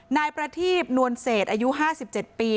นายประทีบนวลเศษอายุ๕๗ปี